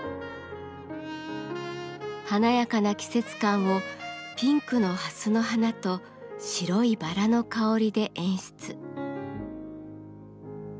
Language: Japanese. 華やかな季節感をピンクのハスの花と白いバラの香りで演出。